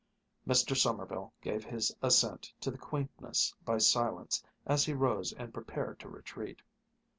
Mr. Sommerville gave his assent to the quaintness by silence, as he rose and prepared to retreat.